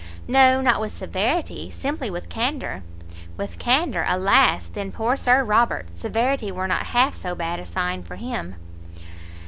"No, not with severity, simply with candour." "With candour? alas, then, poor Sir Robert! Severity were not half so bad a sign for him!"